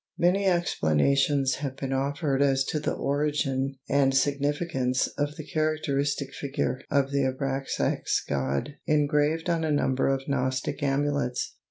] Many explanations have been offered as to the origin and significance of the characteristic figure of the Abrasax god engraved on a number of Gnostic amulets.